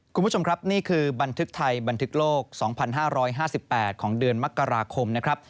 คุณผู้ชมครับนี่คือบันทึกไทยบันทึกโลก๒๕๕๘ของเดือนมกราคมนะครับ